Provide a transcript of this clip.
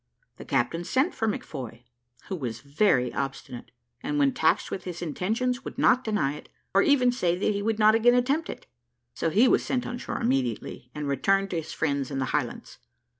The captain sent for McFoy, who was very obstinate, and when taxed with his intentions would not deny it, or even say that he would not again attempt it; so he was sent on shore immediately, and returned to his friends in the Highlands.